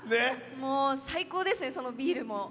もう最高ですね、そのビールも。